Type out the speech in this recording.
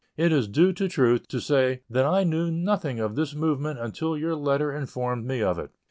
It is due to truth to say that I knew nothing of this movement until your letter informed me of it.